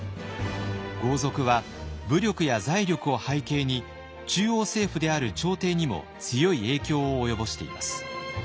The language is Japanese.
豪族は武力や財力を背景に中央政府である朝廷にも強い影響を及ぼしています。